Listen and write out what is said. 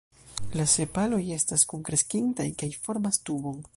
La sepaloj estas kunkreskintaj kaj formas tubon.